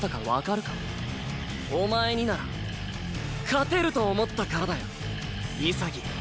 お前になら勝てると思ったからだよ潔。